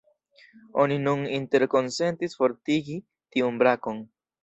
Oni nun interkonsentis fortigi tiun brakon.